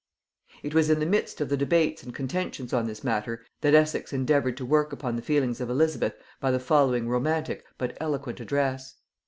] It was in the midst of the debates and contentions on this matter that Essex endeavoured to work upon the feelings of Elizabeth by the following romantic but eloquent address.